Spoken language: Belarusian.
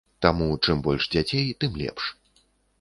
Таму чым больш дзяцей, тым лепш.